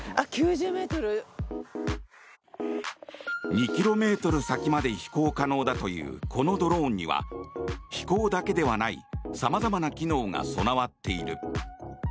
２ｋｍ先まで飛行可能だというこのドローンには飛行だけではないさまざまな機能が備わっている。